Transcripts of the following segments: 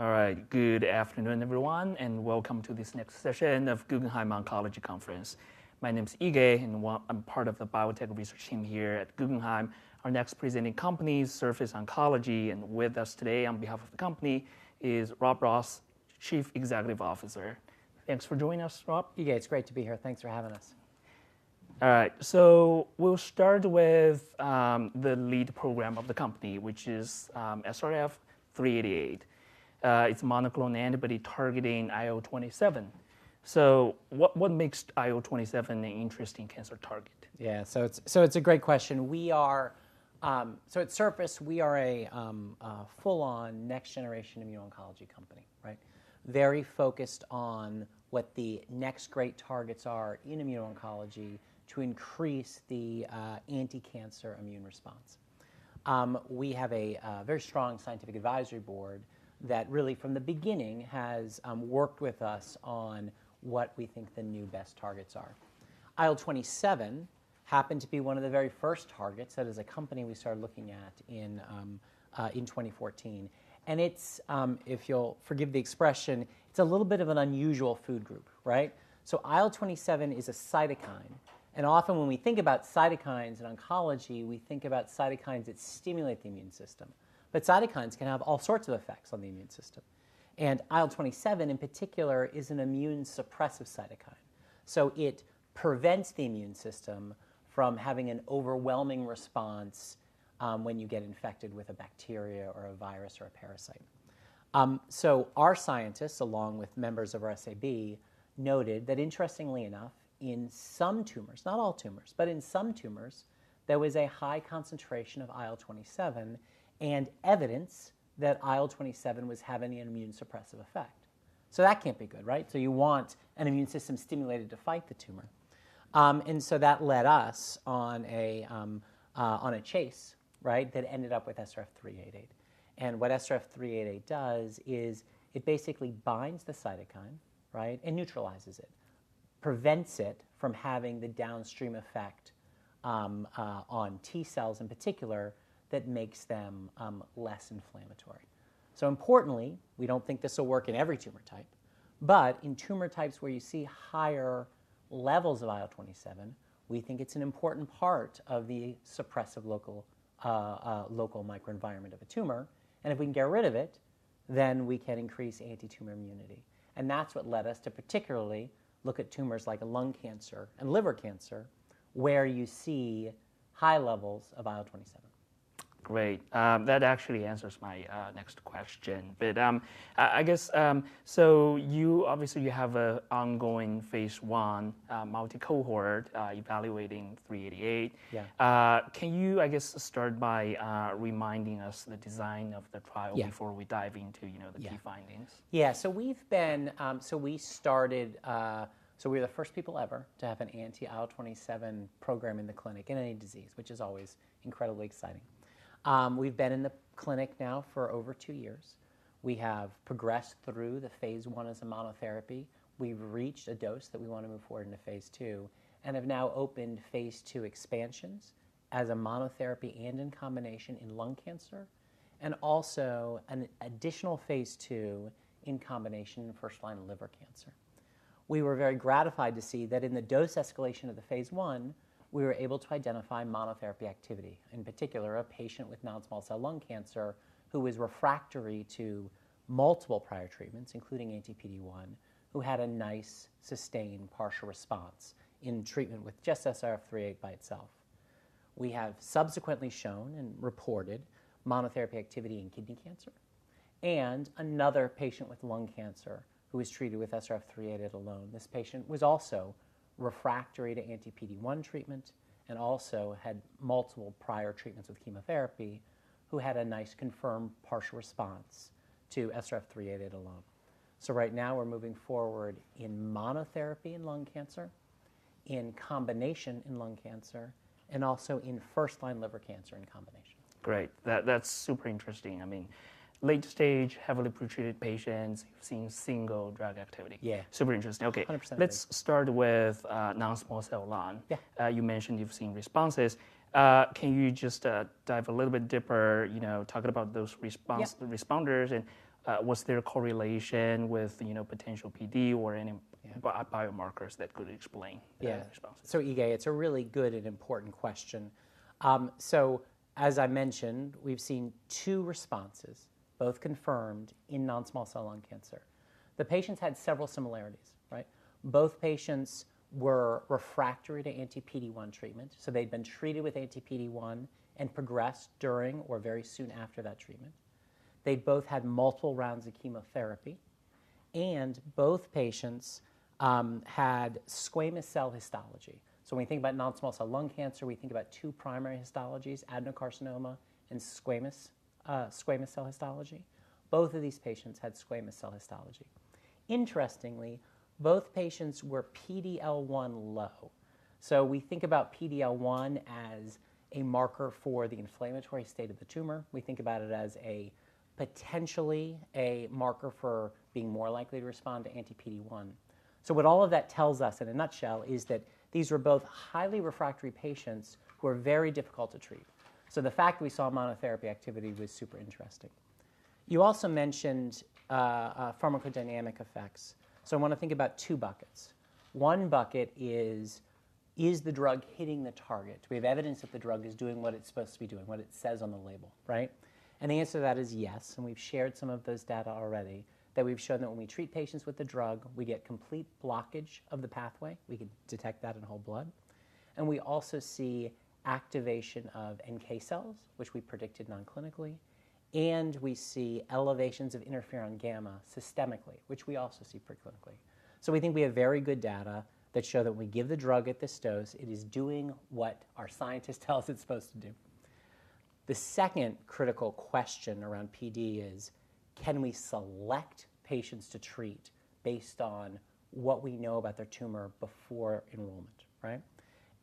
All right. Good afternoon, everyone, and welcome to this next session of Guggenheim Oncology Conference. My name is Yige Guo, and I'm part of the biotech research team here at Guggenheim. Our next presenting company is Surface Oncology, and with us today on behalf of the company is Rob Ross, Chief Executive Officer. Thanks for joining us, Rob. Yige, it's great to be here. Thanks for having us. All right. We'll start with the lead program of the company, which is SRF388. It's monoclonal antibody targeting IL-27. What makes IL-27 an interesting cancer target? It's a great question. At Surface, we are a full-on next generation immuno-oncology company, right? Very focused on what the next great targets are in immuno-oncology to increase the anti-cancer immune response. We have a very strong Scientific Advisory Board that really from the beginning has worked with us on what we think the new best targets are. IL-27 happened to be one of the very first targets that as a company we started looking at in 2014. It's, if you'll forgive the expression, it's a little bit of an unusual food group, right? IL-27 is a cytokine. Often when we think about cytokines in oncology, we think about cytokines that stimulate the immune system, but cytokines can have all sorts of effects on the immune system. IL-27 in particular is an immune suppressive cytokine. It prevents the immune system from having an overwhelming response when you get infected with a bacteria or a virus or a parasite. Our scientists, along with members of our SAB, noted that interestingly enough, in some tumors, not all tumors, but in some tumors, there was a high concentration of IL-27 and evidence that IL-27 was having an immune suppressive effect. That can't be good, right? You want an immune system stimulated to fight the tumor. That led us on a chase, right, that ended up with SRF388. What SRF388 does is it basically binds the cytokine, right, and neutralizes it. Prevents it from having the downstream effect on T cells in particular that makes them less inflammatory. Importantly, we don't think this will work in every tumor type, but in tumor types where you see higher levels of IL-27, we think it's an important part of the suppressive local microenvironment of a tumor, and if we can get rid of it, then we can increase anti-tumor immunity. That's what led us to particularly look at tumors like lung cancer and liver cancer, where you see high levels of IL-27. Great. That actually answers my next question. I guess, you obviously have a ongoing phase I multi-cohort evaluating SRF388. Yeah. Can you, I guess, start by reminding us the design of the [trial] before we dive into, you know, the key findings? Yeah. We've been, so we started, so we're the first people ever to have an anti-IL-27 program in the clinic in any disease, which is always incredibly exciting. We've been in the clinic now for over two years. We have progressed through the phase I as a monotherapy. We've reached a dose that we want to move forward into phase II and have now opened phase II expansions as a monotherapy and in combination in lung cancer, and also an additional phase II in combination in first-line liver cancer. We were very gratified to see that in the dose escalation of the phase I, we were able to identify monotherapy activity, in particular, a patient with non-small cell lung cancer who was refractory to multiple prior treatments, including anti-PD-1, who had a nice, sustained partial response in treatment with just SRF388 by itself. We have subsequently shown and reported monotherapy activity in kidney cancer and another patient with lung cancer who was treated with SRF388 alone. This patient was also refractory to anti-PD-1 treatment and also had multiple prior treatments with chemotherapy who had a nice confirmed partial response to SRF388 alone. Right now we're moving forward in monotherapy in lung cancer, in combination in lung cancer, and also in first-line liver cancer in combination. Great. That's super interesting. I mean, late stage, heavily pretreated patients, you've seen single drug activity. Yeah. Super interesting. Okay. 100%. Let's start with non-small cell lung. Yeah. You mentioned you've seen responses. Can you just, dive a little bit deeper, you know, talking about those responders and, was there a correlation with, you know, potential PD-L1 or any biomarkers that could explain the response? Yeah. Yige, it's a really good and important question. As I mentioned, we've seen two responses, both confirmed in non-small cell lung cancer. The patients had several similarities, right? Both patients were refractory to anti-PD-1 treatment, they'd been treated with anti-PD-1 and progressed during or very soon after that treatment. They both had multiple rounds of chemotherapy, both patients had squamous cell histology. When we think about non-small cell lung cancer, we think about two primary histologies, adenocarcinoma and squamous cell histology. Both of these patients had squamous cell histology. Interestingly, both patients were PD-L1 low. We think about PD-L1 as a marker for the inflammatory state of the tumor. We think about it as a potentially a marker for being more likely to respond to anti-PD-1. What all of that tells us in a nutshell is that these were both highly refractory patients who are very difficult to treat. The fact that we saw monotherapy activity was super interesting. You also mentioned pharmacodynamic effects. I want to think about two buckets. One bucket is the drug hitting the target? Do we have evidence that the drug is doing what it's supposed to be doing, what it says on the label, right? The answer to that is yes, and we've shared some of those data already, that we've shown that when we treat patients with the drug, we get complete blockage of the pathway. We can detect that in whole blood and we also see activation of NK cells, which we predicted non-clinically, and we see elevations of interferon gamma systemically, which we also see pre-clinically. We think we have very good data that show that when we give the drug at this dose, it is doing what our scientist tells it's supposed to do. The second critical question around PD is can we select patients to treat based on what we know about their tumor before enrollment, right?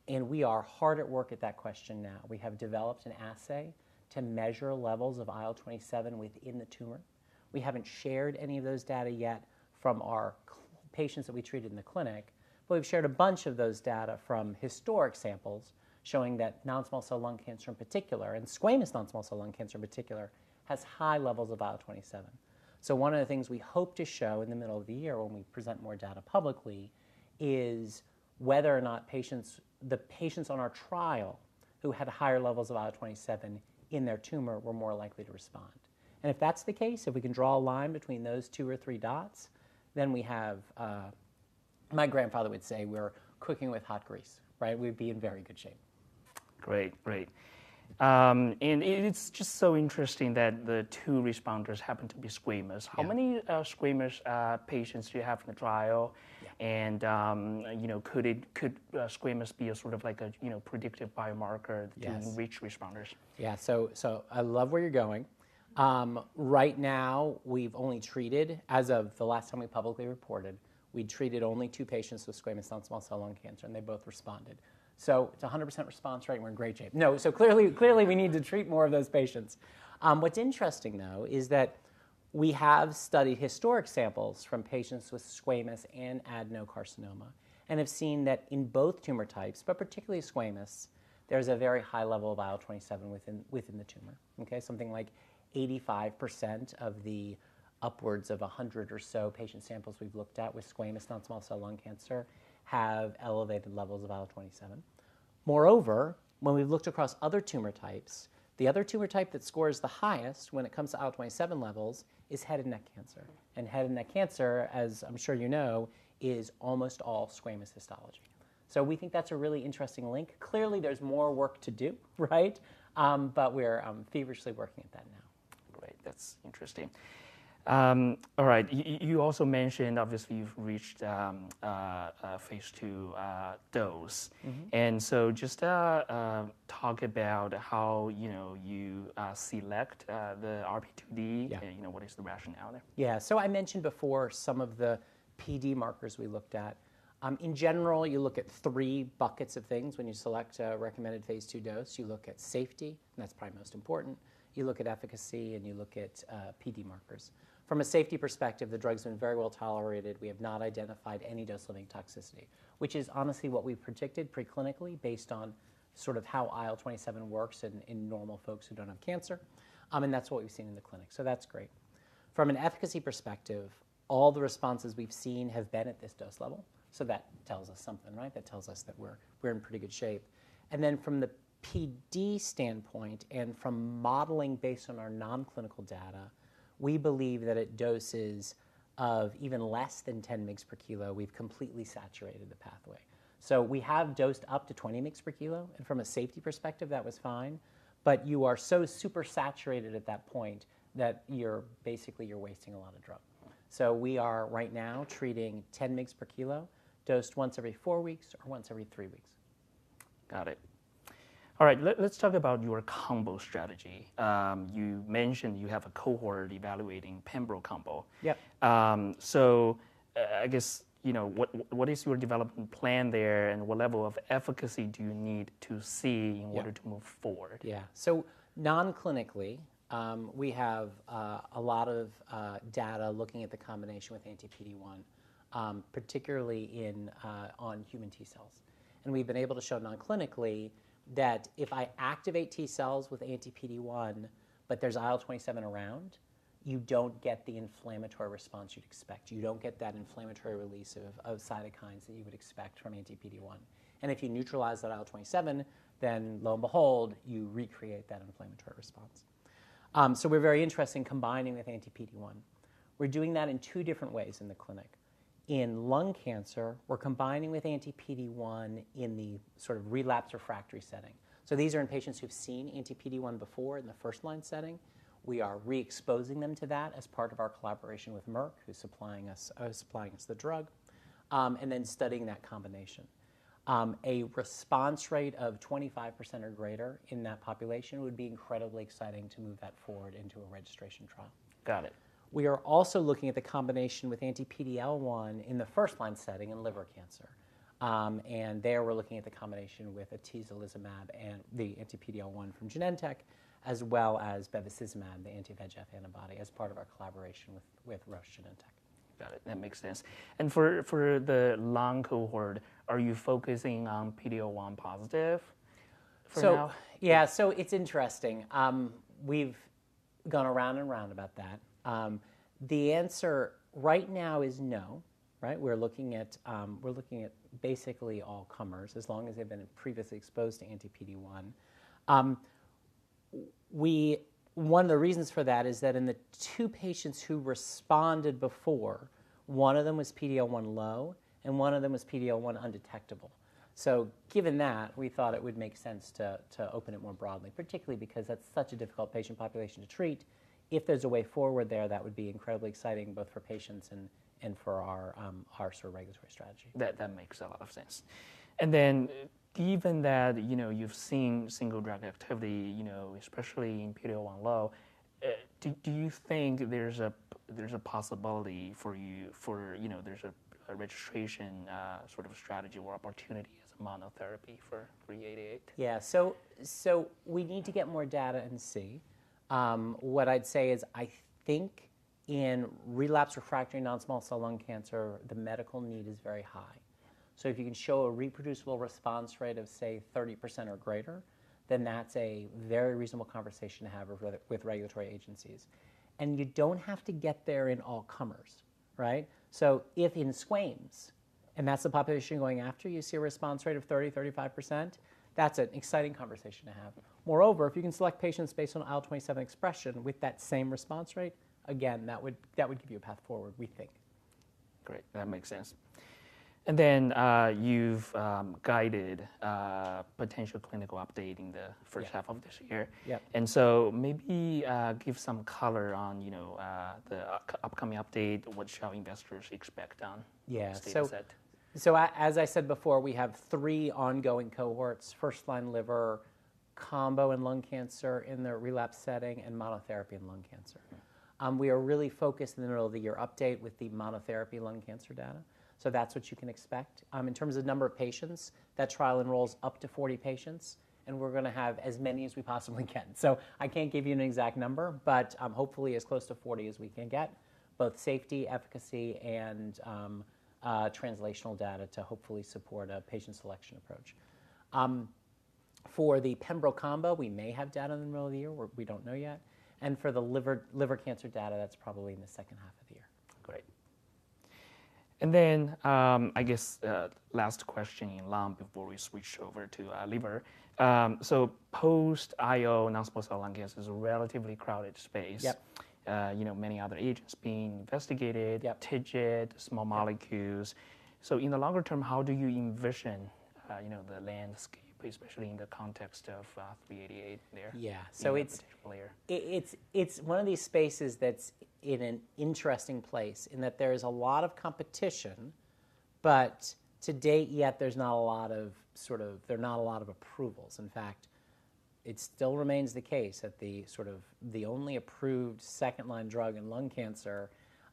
We are hard at work at that question now. We have developed an assay to measure levels of IL-27 within the tumor. We haven't shared any of those data yet from our patients that we treated in the clinic, but we've shared a bunch of those data from historic samples showing that non-small cell lung cancer in particular and squamous non-small cell lung cancer in particular has high levels of IL-27. One of the things we hope to show in the middle of the year when we present more data publicly is whether or not patients, the patients on our trial who had higher levels of IL-27 in their tumor were more likely to respond. If that's the case, if we can draw a line between those two or three dots, then we have, my grandfather would say we're cooking with hot grease, right? We'd be in very good shape. Great. Great. It's just so interesting that the two responders happen to be squamous. How many squamous patients do you have in the trial? And could squamous be a sort of like a, you know, predictive biomarker to reach responders? Yeah. I love where you're going. Right now, we've only treated, as of the last time we publicly reported, we treated only two patients with squamous non-small cell lung cancer, and they both responded. It's a 100% response rate and we're in great shape. No. Clearly we need to treat more of those patients. What's interesting though is that we have studied historic samples from patients with squamous and adenocarcinoma and have seen that in both tumor types, particularly squamous, there's a very high level of IL-27 within the tumor, okay? Something like 85% of the upwards of 100 or so patient samples we've looked at with squamous non-small cell lung cancer have elevated levels of IL-27. Moreover, when we've looked across other tumor types, the other tumor type that scores the highest when it comes to IL-27 levels is head and neck cancer. Head and neck cancer, as I'm sure you know, is almost all squamous histology. We think that's a really interesting link. Clearly, there's more work to do, right? We're feverishly working at that now. Great. That's interesting. All right. You also mentioned obviously you've reached a phase II dose. Just, talk about how, you know, you select the RP2D. You know, what is the rationale there? Yeah. I mentioned before some of the PD markers we looked at. In general, you look at three buckets of things when you select a recommended phase 2 dose. You look at safety, and that's probably most important. You look at efficacy and you look at PD markers. From a safety perspective, the drug's been very well tolerated. We have not identified any dose-limiting toxicity, which is honestly what we predicted pre-clinically based on sort of how IL-27 works in normal folks who don't have cancer. That's what we've seen in the clinic, so that's great. From an efficacy perspective, all the responses we've seen have been at this dose level, so that tells us something, right? That tells us that we're in pretty good shape. From the PD standpoint and from modeling based on our non-clinical data, we believe that at doses of even less than 10 mgs per kilo, we've completely saturated the pathway. We have dosed up to 20 mgs per kilo, and from a safety perspective, that was fine, but you are so supersaturated at that point that you're basically wasting a lot of drug. We are right now treating 10 mgs per kilo dosed once every four weeks or once every three weeks. Got it. All right. Let's talk about your combo strategy. You mentioned you have a cohort evaluating pembro combo. Yep. I guess, you know, what is your development plan there, and what level of efficacy do you need to see in order to move forward? Yeah. Non-clinically, we have a lot of data looking at the combination with anti-PD-1, particularly in on human T cells. We've been able to show non-clinically that if I activate T cells with anti-PD-1 but there's IL-27 around, you don't get the inflammatory response you'd expect. You don't get that inflammatory release of cytokines that you would expect from anti-PD-1. If you neutralize that IL-27, then lo and behold, you recreate that inflammatory response. We're very interested in combining with anti-PD-1. We're doing that in two different ways in the clinic. In lung cancer, we're combining with anti-PD-1 in the sort of relapse refractory setting. These are in patients who've seen anti-PD-1 before in the first line setting. We are re-exposing them to that as part of our collaboration with Merck, who's supplying us, supplying us the drug, and then studying that combination. A response rate of 25% or greater in that population would be incredibly exciting to move that forward into a registration trial. Got it. We are also looking at the combination with anti-PD-L1 in the first line setting in liver cancer. There we're looking at the combination with atezolizumab and the anti-PD-L1 from Genentech as well as bevacizumab, the anti-VEGF antibody, as part of our collaboration with Roche and Genentech. Got it. That makes sense. For the lung cohort, are you focusing on PD-L1 positive? Yeah, so it's interesting. We've gone around and around about that. The answer right now is no, right? We're looking at, we're looking at basically all comers, as long as they've been previously exposed to anti-PD-1. One of the reasons for that is that in the two patients who responded before, one of them was PD-L1 low, and one of them was PD-L1 undetectable. Given that, we thought it would make sense to open it more broadly, particularly because that's such a difficult patient population to treat. If there's a way forward there, that would be incredibly exciting both for patients and for our sort of regulatory strategy. That makes a lot of sense. Given that, you know, you've seen single drug activity, you know, especially in PD-L1 low, do you think there's a possibility for, you know, there's a registration, sort of strategy or opportunity as a monotherapy for SRF388? Yeah. We need to get more data and see. What I'd say is I think in relapse refractory non-small cell lung cancer, the medical need is very high. If you can show a reproducible response rate of, say, 30% or greater, then that's a very reasonable conversation to have with regulatory agencies. You don't have to get there in all comers, right? If in squamous, and that's the population going after, you see a response rate of 30%-35%, that's an exciting conversation to have. Moreover, if you can select patients based on IL-27 expression with that same response rate, again, that would give you a path forward, we think. Great. That makes sense. Then you've guided a potential clinical update in the first half of this year. Yeah. Maybe give some color on, you know, the upcoming update. What shall investors expect from this dataset? As I said before, we have three ongoing cohorts. First-line liver combo in lung cancer in the relapse setting and monotherapy in lung cancer. We are really focused in the middle of the year update with the monotherapy lung cancer data. That's what you can expect. In terms of number of patients, that trial enrolls up to 40 patients, and we're gonna have as many as we possibly can. I can't give you an exact number, but hopefully as close to 40 as we can get, both safety, efficacy, and translational data to hopefully support a patient selection approach. For the pembro combo, we may have data in the middle of the year. We don't know yet. For the liver cancer data, that's probably in the second half of the year. Great. I guess, last question in lung before we switch over to liver. Post-IO non-small cell lung cancer is a relatively crowded space. Yep. You know, many other agents being investigated. Yep. TIGIT, small molecules. In the longer term, how do you envision, you know, the landscape, especially in the context of SRF388 as a potential player. It's one of these spaces that's in an interesting place in that there is a lot of competition, but to date yet there's not a lot of, sort of, there are not a lot of approvals. In fact, it still remains the case that the, sort of, the only approved second-line drug in lung cancer,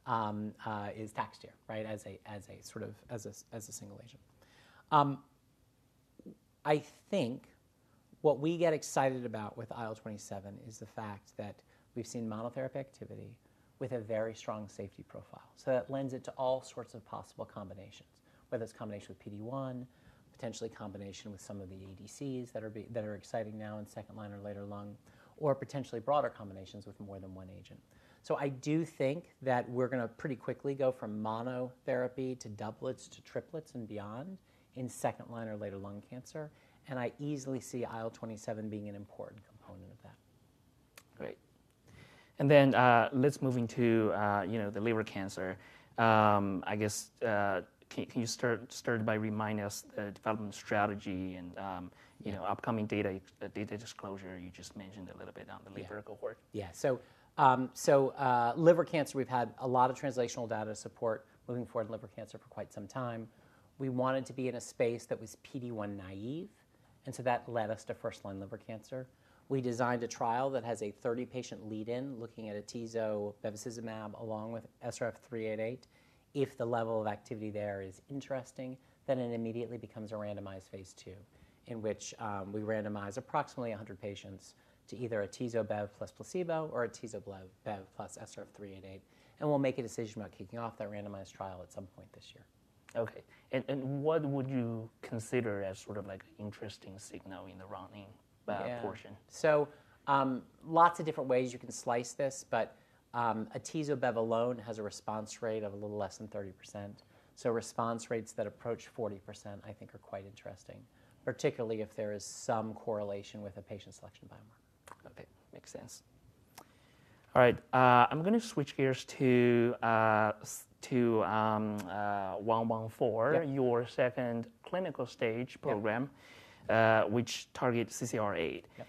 is Taxotere, right? As a, sort of, as a single agent. I think what we get excited about with IL-27 is the fact that we've seen monotherapy activity with a very strong safety profile. That lends it to all sorts of possible combinations, whether it's combination with PD-1, potentially combination with some of the ADCs that are that are exciting now in second line or later lung, or potentially broader combinations with more than one agent. I do think that we're gonna pretty quickly go from monotherapy to doublets to triplets and beyond in second-line or later lung cancer, and I easily see IL-27 being an important component of that. Great. let's move into, you know, the liver cancer. I guess, can you start by reminding us the development strategy and, you know, upcoming data disclosure you just mentioned a little bit on the liver cohort. Liver cancer, we've had a lot of translational data support moving forward in liver cancer for quite some time. We wanted to be in a space that was PD-1 naive, that led us to first-line liver cancer. We designed a trial that has a 30-patient lead-in looking at atezo bevacizumab along with SRF388. If the level of activity there is interesting, then it immediately becomes a randomized phase II, in which we randomize approximately 100 patients to either atezo-bev plus placebo or atezo-bev plus SRF388. We'll make a decision about kicking off that randomized trial at some point this year. Okay. What would you consider as sort of like interesting signal in that portion? Lots of different ways you can slice this, but atezo-bev alone has a response rate of a little less than 30%. Response rates that approach 40% I think are quite interesting, particularly if there is some correlation with a patient selection biomarker. Okay. Makes sense. All right. I'm gonna switch gears to SRF114. Your second clinical stage program which targets CCR8. Yep.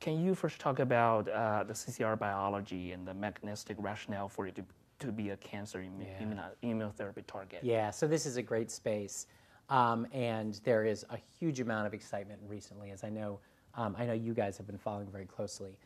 Can you first talk about the CCR biology and the mechanistic rationale for it to be a cancer immunotherapy target? Yeah. This is a great space, and there is a huge amount of excitement recently, as I know, I know you guys have been following very closely.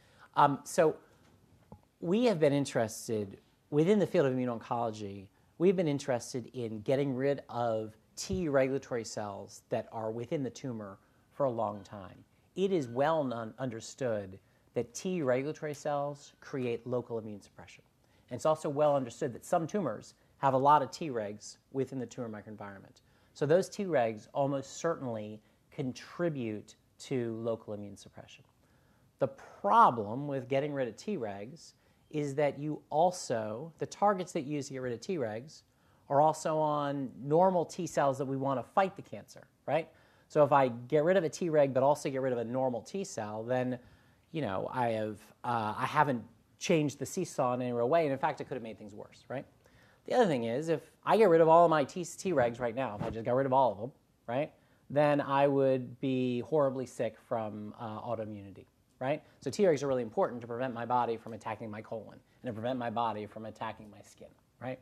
We have been interested Within the field of immuno-oncology, we've been interested in getting rid of T regulatory cells that are within the tumor for a long time. It is well understood that T regulatory cells create local immune suppression. It's also well understood that some tumors have a lot of Tregs within the tumor microenvironment. Those Tregs almost certainly contribute to local immune suppression. The problem with getting rid of Tregs is that you also the targets that you use to get rid of Tregs are also on normal T cells that we wanna fight the cancer, right? If I get rid of a Treg, but also get rid of a normal T cell, then, you know, I have, I haven't changed the seesaw in any real way, and in fact, it could have made things worse, right? The other thing is, if I get rid of all my Tregs right now, if I just get rid of all of them, right, then I would be horribly sick from autoimmunity, right? Tregs are really important to prevent my body from attacking my colon and to prevent my body from attacking my skin, right?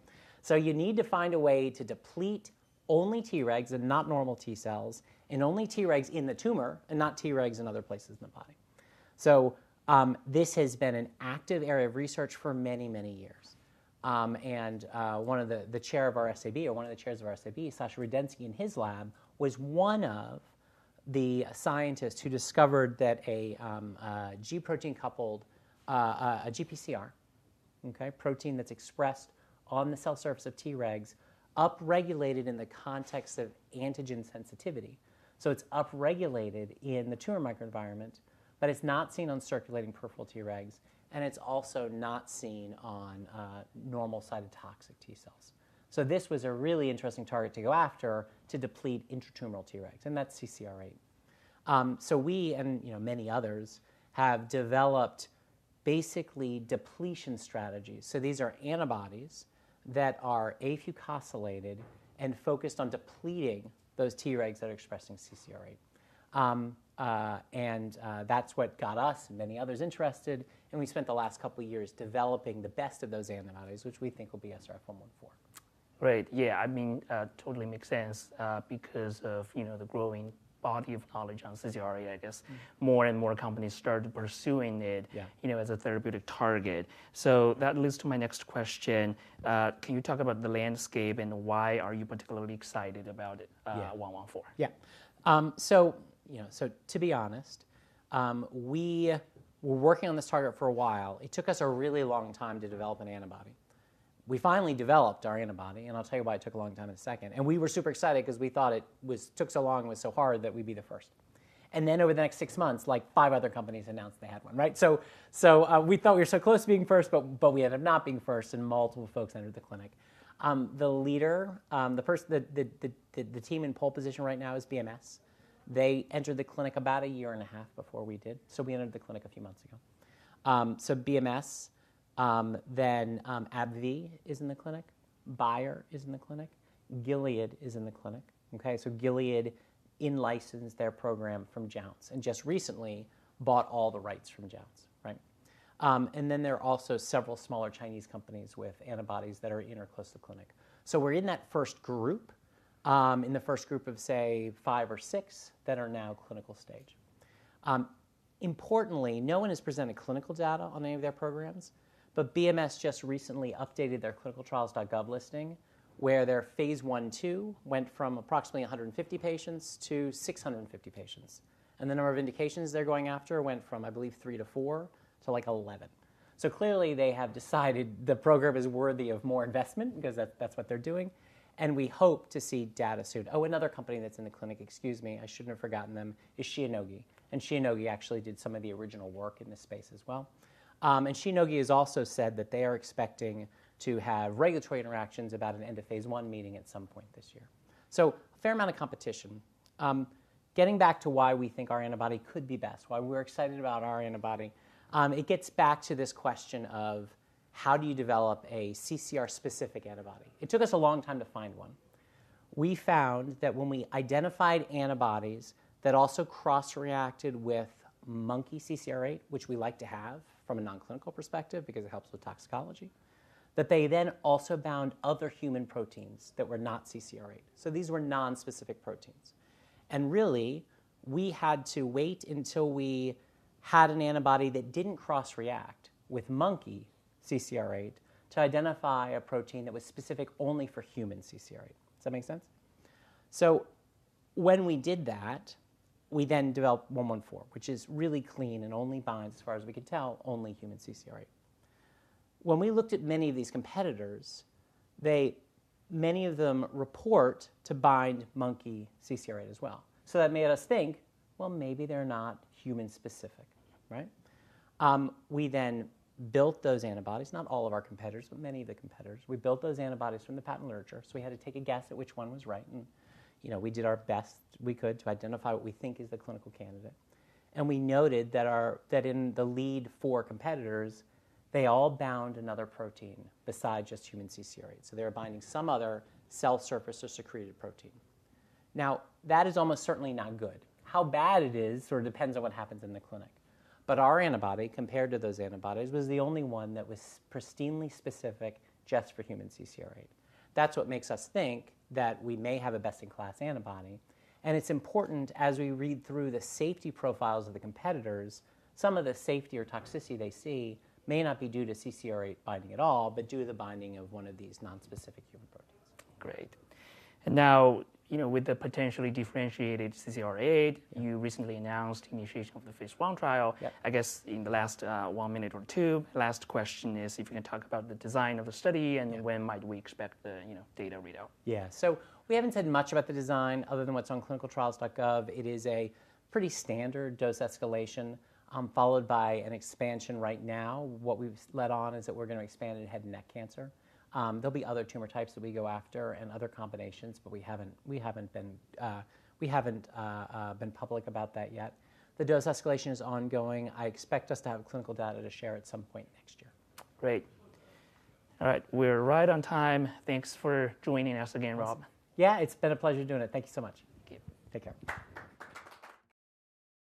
You need to find a way to deplete only Tregs and not normal T cells, and only Tregs in the tumor and not Tregs in other places in the body. This has been an active area of research for many, many years. One of the chair of our SAB or one of the chairs of our SAB, Sasha Rudensky, in his lab, was one of the scientists who discovered that a G protein coupled, a GPCR, okay, protein that's expressed on the cell surface of Tregs upregulated in the context of antigen sensitivity. It's upregulated in the tumor microenvironment, but it's not seen on circulating peripheral Tregs, and it's also not seen on normal cytotoxic T cells. This was a really interesting target to go after to deplete intratumoral Tregs, and that's CCR8. We and, you know, many others have developed basically depletion strategies. These are antibodies that are afucosylated and focused on depleting those Tregs that are expressing CCR8. That's what got us and many others interested, and we spent the last couple of years developing the best of those antibodies, which we think will be SRF114. Great. Yeah. I mean, totally makes sense, because of, you know, the growing body of knowledge on CCR8, I guess more and more companies started pursuing it as a therapeutic target. That leads to my next question. Can you talk about the landscape and why are you particularly excited about SRF114? Yeah. So, you know, to be honest, we were working on this target for a while. It took us a really long time to develop an antibody. We finally developed our antibody, and I'll tell you why it took a long time in a second. We were super excited 'cause we thought it was took so long and was so hard that we'd be the first. Then over the next six months, like five other companies announced they had one, right? We thought we were so close to being first, but we ended up not being first, and multiple folks entered the clinic. The leader, the first team in pole position right now is BMS. They entered the clinic about a year and a half before we did. We entered the clinic a few months ago. BMS, then AbbVie is in the clinic. Bayer is in the clinic. Gilead is in the clinic. Gilead in-licensed their program from Jounce and just recently bought all the rights from Jounce, right? There are also several smaller Chinese companies with antibodies that are in or close to the clinic. We're in that first group, in the first group of, say, five or six that are now clinical stage. Importantly, no one has presented clinical data on any of their programs, but BMS just recently updated their ClinicalTrials.gov listing, where their phase I/II went from approximately 150 patients to 650 patients. The number of indications they're going after went from, I believe, three to four to, like, 11. Clearly, they have decided the program is worthy of more investment because that's what they're doing, and we hope to see data soon. Another company that's in the clinic, excuse me, I shouldn't have forgotten them, is Shionogi. Shionogi actually did some of the original work in this space as well. Shionogi has also said that they are expecting to have regulatory interactions about an end of phase I meeting at some point this year. A fair amount of competition. Getting back to why we think our antibody could be best, why we're excited about our antibody, it gets back to this question of how do you develop a CCR-specific antibody? It took us a long time to find one. We found that when we identified antibodies that also cross-reacted with monkey CCR8, which we like to have from a non-clinical perspective because it helps with toxicology, that they then also bound other human proteins that were not CCR8. These were non-specific proteins. Really, we had to wait until we had an antibody that didn't cross-react with monkey CCR8 to identify a protein that was specific only for human CCR8. Does that make sense? When we did that, we then developed SRF114, which is really clean and only binds, as far as we can tell, only human CCR8. When we looked at many of these competitors, many of them report to bind monkey CCR8 as well. That made us think, "Well, maybe they're not human-specific," right? We then built those antibodies, not all of our competitors, but many of the competitors. We built those antibodies from the patent literature. We had to take a guess at which one was right, and, you know, we did our best we could to identify what we think is the clinical candidate. We noted that in the lead four competitors, they all bound another protein besides just human CCR8. They were binding some other cell surface or secreted protein. That is almost certainly not good. How bad it is sort of depends on what happens in the clinic. Our antibody, compared to those antibodies, was the only one that was pristinely specific just for human CCR8. That's what makes us think that we may have a best-in-class antibody. It's important as we read through the safety profiles of the competitors, some of the safety or toxicity they see may not be due to CCR8 binding at all, but due to the binding of one of these non-specific human proteins. Great. Now, you know, with the potentially differentiated CCR8, you recently announced initiation of the phase I trial. Yeah. I guess in the last, one minute or two, last question is if you can talk about the design of the study, and then when might we expect the, you know, data readout? Yeah. We haven't said much about the design other than what's on ClinicalTrials.gov. It is a pretty standard dose escalation, followed by an expansion right now. What we've let on is that we're gonna expand into head and neck cancer. There'll be other tumor types that we go after and other combinations, but we haven't been public about that yet. The dose escalation is ongoing. I expect us to have clinical data to share at some point next year. Great. All right. We're right on time. Thanks for joining us again, Rob. Yeah. It's been a pleasure doing it. Thank you so much. Thank you. Take care.